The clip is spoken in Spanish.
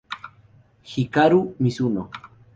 Hikaru Mizuno